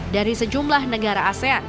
dari sejumlah negara asean